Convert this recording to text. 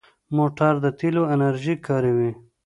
موټر د تېلو انرژي کاروي.